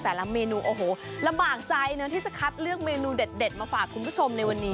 แต่ละเมนูโอ้โหลำบากใจนะที่จะคัดเลือกเมนูเด็ดมาฝากคุณผู้ชมในวันนี้